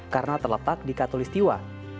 karena terletak di katolistiwa